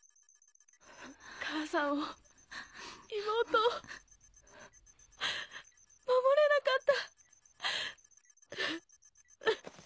母さんを妹を守れなかった。